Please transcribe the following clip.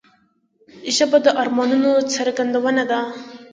ژبه د ارمانونو څرګندونه ده